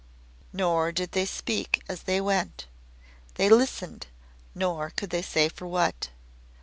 Nor did they speak as they went. They listened, nor could they say for what.